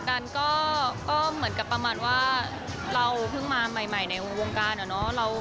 กันก็เหมือนกับประมาณว่าเราเพิ่งมาใหม่ในวงการอะเนาะ